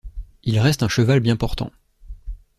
Il reste un cheval bien portant.